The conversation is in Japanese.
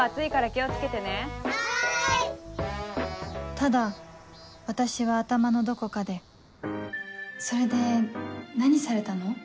ただ私は頭のどこかでそれで何されたの？